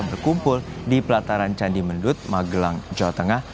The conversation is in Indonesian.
berkumpul di pelataran candi mendut magelang jawa tengah